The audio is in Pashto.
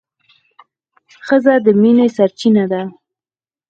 ښځه د مینې سرچینه ده.